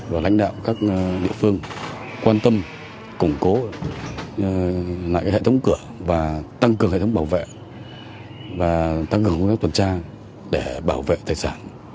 và tăng cường công tác tuần tra để bảo vệ tài sản